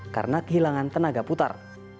karena kehilangan tenaga putar